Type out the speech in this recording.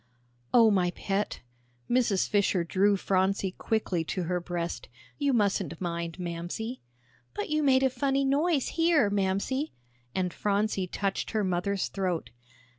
"Oh, my pet," Mrs. Fisher drew Phronsie quickly to her breast, "you mustn't mind Mamsie." "But you made a funny noise here, Mamsie," and Phronsie touched her mother's throat.